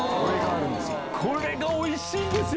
これがおいしいんですよ！